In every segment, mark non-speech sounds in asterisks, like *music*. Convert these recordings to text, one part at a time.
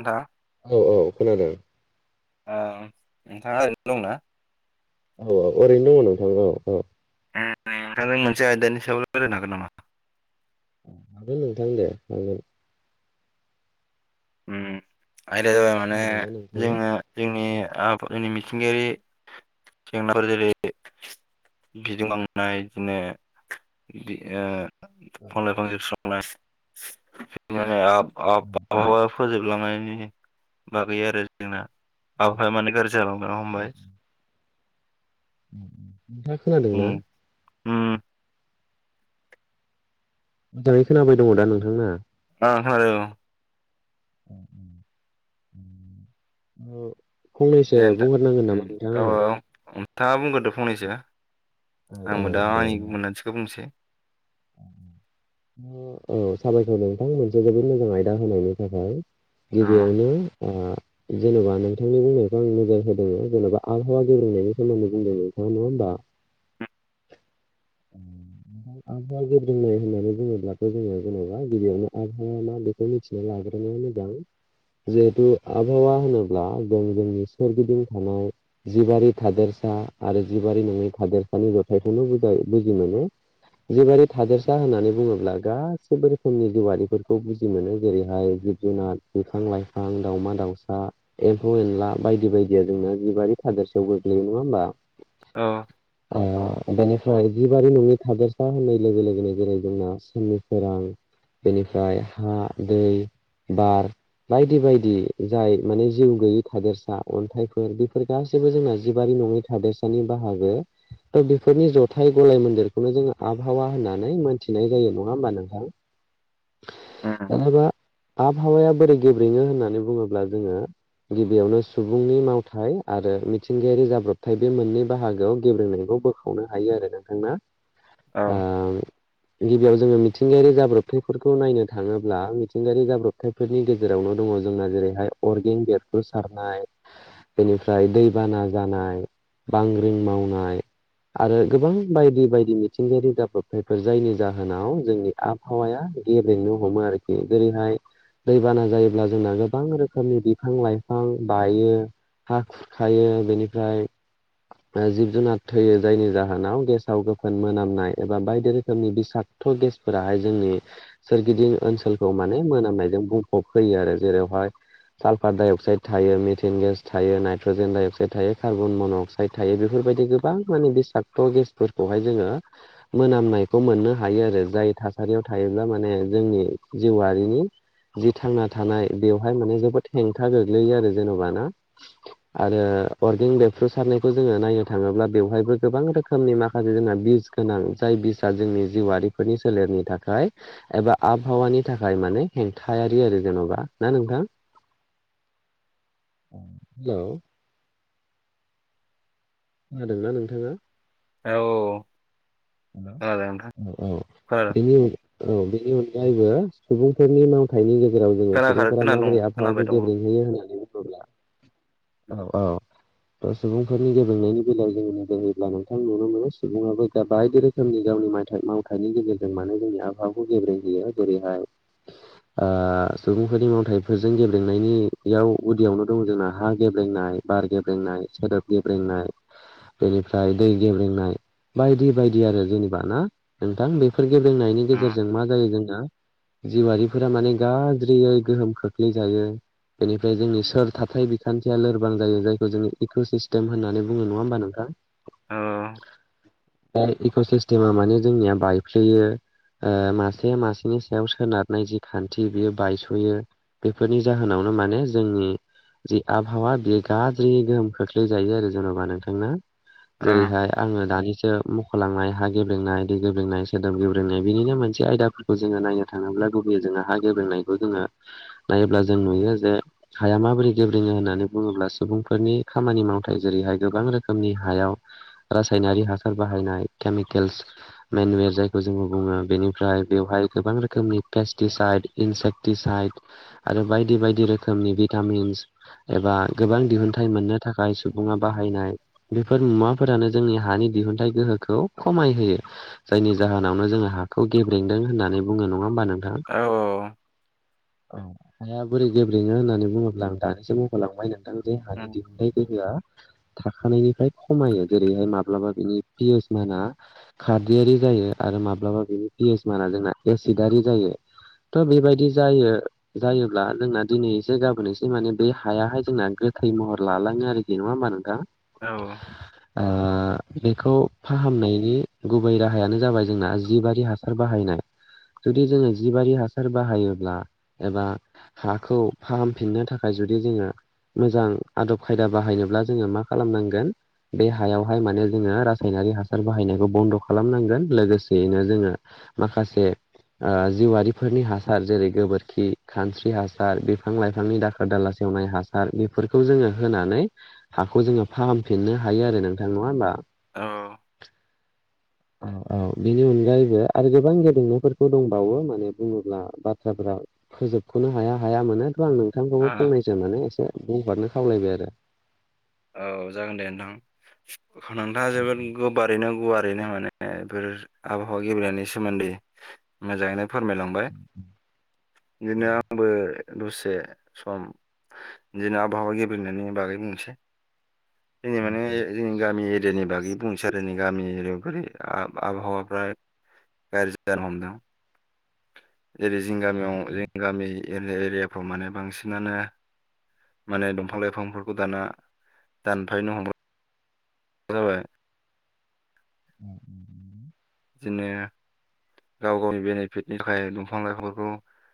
नोंथां औ औ खोनादों। ओ नोंथाङा ओरैनो दंना? औ औ ओरैनो दङ नोंथां औ औ। नोंथांजों मोनसे आयदानि सायाव रायलायनो हागोन नामा? हागोन नोंथां दे हागोन। उम आयदाया जाबाय माने खोनादोंना नोंथाङा जोङो औ जोंनि आब जोंनि मिथिंगायारि जेंनाफोर जेरै *unintelligible* लांनाय बिदिनो ओ *inaudible* फोजोबलांनायनि बागै आरो जोंना। आबहावाया मानि गाज्रि जालांनो हमबाय। उ उ नोंथाङा खोनादों ना? ओम। मोजाङै खोनाबाय दङदा नोंथां ना? आ खोनादों। *inaudible* दे फंनैसो बुंगोरनांगोन नामा नोंथां आङो? दा बुंगोरदो फंनैसो औ आंबो दा दे आंनिखौ मोनदांथिखौ बुंनोसै। ओ औ साबायखर नोंथां मोनसे जोबोद मोजां आयदा होनायनि थाखाय। अ गिबियावनो आ जेनबा नोंथांनि बुंनायखौ आं नोजोर होदों जेनबा आबहावा गेब्रेंनायनि सोमोन्दै बुंदों नोंथाङा नङा होमबा? आ आमफाय आबहावा गेब्रेंनाय होननानै बुङोब्लाथ जोङो जेनबा गिबियावनो आबहावा मा बेखौ मिथिना लाग्रोनाया मोजां जिहेथु आबहावा होनोब्ला जों जोंनि सोरगिदिं थानाय जिबारि थादेर सा आरो जिबारि नङै थादेरसानि जथायखौनो बुजा बुजिनानै जिबायदि थादेरसा होनानै बुङोब्ला गासिबबो रोखोमनि जिउवरारिफोरखौ बुजि मोनो जेरैहाय जिब जुनार बिुफां लाइफां दावमा दाउसा एम्फौ एनला बायदि बायदिया जोंना जिबारि थादोरसेयाव गोग्लैयो नङा होमबा औ ओ बेनिफ्राय जिबारि नङि थादेरसा होननाय लोगो लोगोनो जेरै जोंना सोर सोरां बेनिफ्राय हा दै बार बायदि बायदि जाय माने जिउ गैयै थादेरसा अन्थाइफोर बेफोर गासैबो जोंना जिबारि नङै थादसानि बाहागो ओमफाय बेफोरनि जथाय गलाय मन्दिरखौनो जोङो आबहावा होननानै थिनाय जायो नङा होमबा नोंथां उम जानबा आबहावाया बोरै गेब्रेङो होननानै बुङोब्ला जोङो गिबियावनो सुबुंनि मावथाय आरो मिथिंगायारि जाब्रबथाय बे मोननै बाहागोआव गेब्रेनायखौ बोखावनो हायो आरो नोंथांना औ गिबियाव जोङो मिथिंगायारि जाब्रबथायै फोरखौ नायनो थाङोब्ला मिथिंगायारि जाब्रबथायफोरनि गेजेरावनो दङ जोंना जेरैहाय अर्गेन गटफोर सारनाय बेनिफ्राय दैबाना जानाय बांग्रिं मावनाय आरो गोबां बायदि बायदि मिथिंगायारि जाब्रबथायफोर जायनि जाहोनाव जोंनि आबहावाया गेब्लेनो हमो आरोखि जेरैहाय दैबाना जायोब्ला जोंना गोबां रोखोमनि बिफां लाइफां बायो हा खुर खायो बेनिफ्राय जिब जुनार थैयो जायनि जाहोनाव गेसाव गोफोन मोनामनाय एबा बायदि रोखोमनि बिसाग थ गेसफोराहाय जोंनि सोरगिदिं ओनसोलखौ माने मोनामनायजों बुंफब होयो आरो जेरावहाय साल्फार डाइ अक्साइड थायो मेथन गेस थायो नाइट्रजेन डाइ अक्साइड थायो कार्बन मन अक्साइड थायो बेफोर फोर बायदि गोबां मानि बिस बेसादखौ गेसफोरखौहाय जोङो मोननाय मोननो हायो आरो जाय थासारियाव थायोब्ला माने जोंनि जिउआारिनि जि थांना थानाय बेवहाय माने जोबोद हेंथा गोग्लैयो आरो जेनेबाना आरो अर्गेेनक बेबफ्रु सारनायखौ जोङो नायनो थाङोब्ला बेवहायबो गोबां रोखोमनि माखासे जोंना बिज गोनां जाय बिसाआ जोंनि जिउआरारिफोरनि सोलेरनि थाखाय एबा आबहावानि थाखाय माने हेंथायारि आरो जेनबा ना नोंथां हेल' खोनादोंना नोंथाङा? औ खोनादों नोंथां हेल औ औ खोनादों बे औ बेनि अनगायैबो सुबुंफोरनि मावांथायाइनि गेजेराव गेजेराव जोङो खोनाखादों सुबुंफोरा खोनादों माबोरै आबहावाखौ खोनाबाय दङ उम गेब्रेंहोयो होननानै बुङोब्ला औ औ। सुबुंफोरनि गेलेनायनि बेलायाव जों बोबब्ला नोंथां नुनो मोनो सुबुङाबो गाब बायदि रोखोमनि गावनि माइथाइ मावथाइनि गेजेरजों मानोे जोंनि आबहावाखौ गेब्रेहयो जेरैहाय ओ सुबुंफोरनि मावथाइफोरजों गेब्रेंनायनियाव गुदियावनो दं जोंना हा गेब्रेंनाय बार गेब्रेंनाय सोदोब गेब्रेंनाय बेनिफ्राय दै गेब्रेंनाय बायदि बायदि आरो जेनेबा ना नोंथां बेफोर गेब्रेंनायनि औ गेजेरजों मा जायो जोङो जिवआरिफोरा माने गाज्रियै गोहोम खोख्लैजायो बेनिफ्राय जोंनि सोर थाथाय बिखान्थिया लोरबां जायो जायखौ जोङो इक' सिस्टेम होननानै बुङो नङा होमबा नोंथां औ दा इक' सिस्टेमा माने जोंनिया बायफ्लेयो ओ मासे मासेनि सायाव सोनारनाय जि खान्थि बियो बायस'यो बेफोरनि जाहोनाव नो माने जोंनि जि आबहावा बेयो गाज्रियै गोहोम खोख्लैजायो आरो जेन'बा नोंथांना जेरैहाय आङो दानि मख'लांनाय हा गेब्लेनाय दै गेब्लेंनाय सोदोब गेब्रेनाय बिनिनो मोनसे आयदाफोरखौ जोङो नायनो थाङोब्ला गुब जोङो हा गेब्रेंनायखौ जोङो नायोब्ला जों नुयो जे हाया माबोरै गेब्रेङो होननानै बुङो ब्ला सुबुंफोरनि खामानि मावथाय जेरैहाय गोबां रोखोमनि हायाव रासायनारि हा सार बाहायनाय केमिकेल्स मेनुवेर जायखौ जोङो बुङो बेनिफ्राय बेवहाय गोबां रोखोमनि पेस्टिसाइद, इनसेक्टिसाइड आरो बायदि बायदि रोखोमनि भिटामिन्स एबा गोबां दिहुनथाइ मोननो थाखाय सुबुङा बाहायनाय बेफोर मुवाफोरानो जोंनि हानि दिहुन थाइ गोहोखौ खमाय होयो जायनि जाहोनावनो जोङो हाखौ गेब्रेंदों होननानै बुङो नङा होमा नों थां अ हाया बोरै गोब्रेङो होननानै बुङोब्ला आं दानिसो मख'लांबाय नोंथां जे हानि उम दिहुनथाइ गोहोआ थाखानायनिफ्राय खमायो जेरैहाय माब्लाबा बिनि पियसमानआ खारदयारि जायो आरो माब्लाबा बिनि पियइसमानआ जोंना एसिडारि जायो थ' बेबायदि जायो जायोब्ला जोंना दिनै एसे गाबोन एसे माने बे हायाहाय जोंना गोथै महर लालाङो आरोखि नङा होमबा नोंथां? औ ओ बेखौ फाहामनायनि गुबै राहायानो जाबाय जोंना जिबारि हासार बाहायनाय। जुदि जोङो जिबारि हासार बाहायोब्ला एबा हाखौ फाहामफिननो थाखाय जुुदि जोङो मोजां आदब खायदा बाहायनोब्ला जोङो मा खालामनांगोन बे हायावहाय माने जोङो रा सायनारि हासार बाहायनायखौ बन्द' खालामनांगोन लोगोसेयैनो जोङो माखासे आ जिउआरिफोरनि हासार जेरै गोबोरखि खानस्रि हासार बिफां लाइफांनि दाखोर दालासे एवनाय हासार बेफोरखौ जोङो होनानै हाखौ जोङो फाहामफिननो हायो आरो नोंथां नङा होमबा? औ ओ औ औ औ बेनि अनगायैबो आरो गोबां गेदेंनायफोरखौ दंबावो माने बुङोब्ला बाथ्राफोरा फोजोब ख'नो हाया हाया मोन थ' आं नोंथांखौबो फंनैसो माने एसे बुंहरनो खावलायबाय आरो औ जागोन दे नोंथां नोंथाङा जोबोद गोबारैनो गुवार रैनो माने बेफोर आबहावा गेबेंनायनि सोमोन्दै मोजाङैनो फोरमायलांबाय बिदिनो आंबो दसे सम जेन' आबहावा गेबेंनानै बागै बुंनोसै जोंनि माने जोंनि गामि जेने बागि बुंनोसै‌ आरो नै गामिनि जेरै बोरै आबहावाफ्रा गाज्रि जानो हमदों *inaudible* जेरै जोंनि गामियाव जोंनि गामि एरिया एरियाफ्राव माने बांसिनानो माने दंफां लाइफांफोरखौ दाना दानफायनो हमो जाबाय *inaudible* दिनो गाव गावनि बेनिफिटनि थाखाय दंफां लाइफांफोरखौ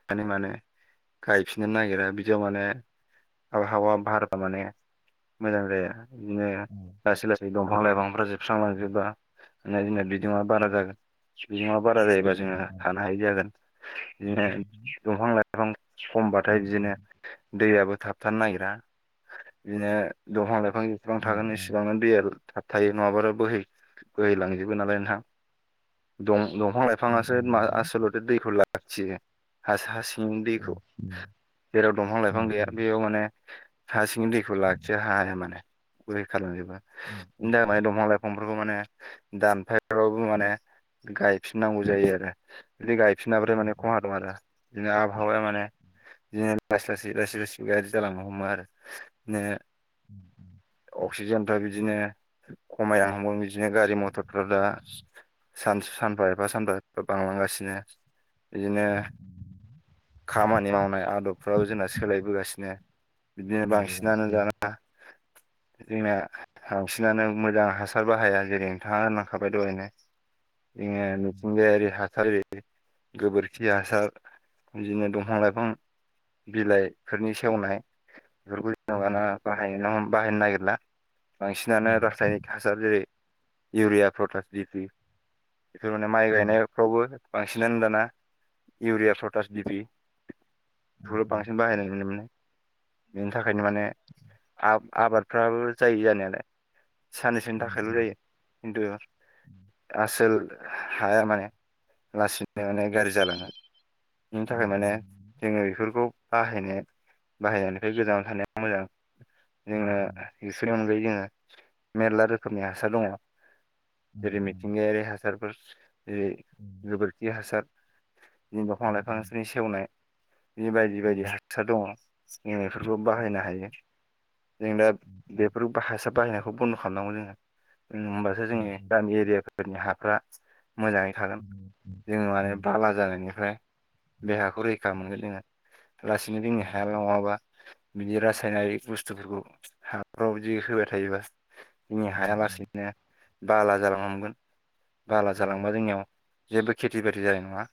दानो माने गायफिननो नागिरा बिदियाव माने आबहावा बाहारा माने मोजां जाया बिदिनो लासै लासै दंफां लाइफांफ्रा जोबस्रांलांजोबा बिदिनो जोंना बिदुङा बारा जागोन बिदुङा बारा जायोबा जोङो थानो हायि जागोन बिदिनो दंफां लाइ बिफां खमबाथाय बिदिनो दैआबो थाबथानो नागिरा बिदिनो दंफां लाइफां जेसेबां थागोन एसेबांनो दैया थाबथायायो नंङाब्ला बोहै बोहैलांजोबो नालाय नोंथां दं दंफां लाइफाङासो आसलथे दैखौ लाखियो हा-हासि दैखौ जेराव दंफां लाइफां गैया बेयाव माने हा सिंनि दैखौ लाखिनो हाया माने रैखा खालामजोबो बि थाखाय दंफां लाइफां फोरखौ माने दानफायावबो माने गायफिननांगौ जायो आरो बि गायफिन नाबाथाय माने खहा दं आरो बिदिनो आबहावाया माने बिदिनो लासै लासै लासै लासै गारजि जालांनो हमो आरो बिदिनो *inaudible* अक्सिजेनफ्रा बिदिनो खमायना हांबोन बिदिनो गारि मथरफ्रा दा सानसे सानफा एफा सानफा एफा बांलांगासिनो बिदिनो खामानि मावनाय आदबफ्राब जोंना सोलायबोगासिनो। बिदिनो बांसिनानो दाना जोंना बांसिनानो मोजां हासार बाहाया जेरै नोंथाङा होनलांखाबाय दहायनो। बिनो मिथिंगायारि हासार होयै गोबोरखि हासार बिदिनो दंफां लाइफां बिलाइफोरनि सेवनाय बेफोरखौ जेन'बाना बाहाय बाहायनो नागिरला बांसिनानो रासायनिक हासार जेरै इउरिया प्रटास दिपि बिनि माइ गायनायफ्रावबो बांसिनानो दाना इउरिया पटास दिपि बेफोरखौ' बांसिन बाहायनाय नुनो मोनो। बिनि थाखायनो माने आ-आबादफ्राबो जायो जानायालाय। साननैसोनि थाखायल' जायो खिन्थु आसोल हाया माने लासैनो माने गाज्रि जालाङो। बिनि थाखाय माने जोंङो बेफोरखौ बाहायनाय बाहायनायनिफ्राय गोजानाव थानाया मोजां। जोंङो बेफोरनि अनगायै जोंङो मेरला रोखोमनि हासार दंङ। *inaudible* मिथिंगायारि हासारफोर जेरै गोबोरखि हासार बिदिनि दंफां लाइफां बिसनि सेवनाय। बि बायदि बायदि हाससा दंङ जों बेफोरखौ बाहायनो हायो। जों दा बेफोर हासार बाहायनाय बेखौ बन्द' खालामनांगौ जोंङो होमबासो जोंङनि गामि एरिया हाफ्रा मोजांङै थागोन जोंङो माने बाला जानायनिफ्राय देहाखौ रैखा मोनगोन जोंङो लासिनो जोंनि हाया नंङाबा बिनि रासायनारिक बुस्थुफोरखौ हाफ्राव बिदि होबाय थायोबा जोंनि हाया लासेैनो बाला जालांगोन। बाला जालांबा जोंनियाव जेबो खेथि बाथि जानाय नंङा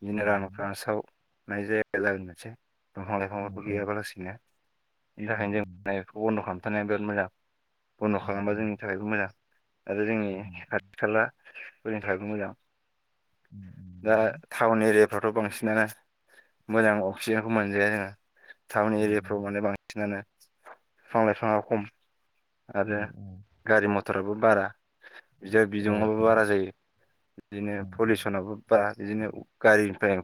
बिदिनो रानखानस्राव नाय जाया जाबोन मोनसे दंफां लाइफांफोरखौ गैयाबा लासिनो। बिनि थाखायनो जोंनायखौ बन्द' खालामथा बिराद मोजां। बन्द' खालामबा जोंनि थाखायखौ मोजां आरो जोंनि खा बा जोंनि थाखायबो मोजां दा टाउन एरियाफोराव बांसिनानो मोजां अक्सिजेनखौ मोनजाया जोंङो टाउन एरियाफ्राव माने बांसिनानो बिफां लाइफाङआ खम। आरो गारि मथराबो बारा बि बिदुङआबो बारा जायो बिदिनो पलिउसनाबो बारा बिदिनो गारिनिफ्राय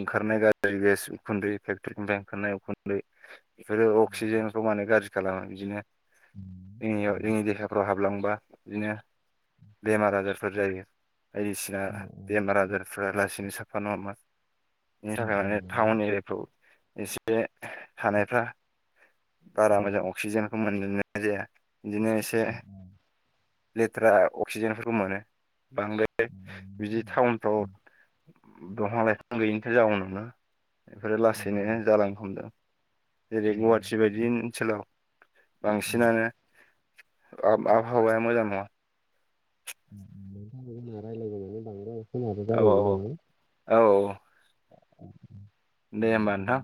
ओंखारनाय गाज्रि गेस उखुन्दै फेक्टरनिफ्राय ओंखारनाय उखुन्दै बेफोरो अक्सिजेन मानो गाज्रि खालामो बिदिनो जोंनियाव जोंनि देहाफ्राव हाबलांबा बिदिनो बेमा आजारफोर जायो। ओयसाला बेमार आजारफ्रा लासिनो साफा नङामोन। बेनि थाखायनो टाउन एरियाफ्राव एसे थानायफ्रा बारा मोजां अक्सिजेनखौ मोनजनाय जाया बिदिनो एसे लेथ्रा अक्सिजेनफोरखौ मोनो बांद्राय बिदि टाउनफ्राव दंफां लाइफां गैयिनिफ्राय जाउनावो बेफोरो लासैनो जालांनो हमदों जेरै गुवा बायदि ओनसोलाव बांसिनानो आ आबावहाया मोजां नङा। औ समाबो औ औ जाबायमोन। औ। दे होमबा नोंथां।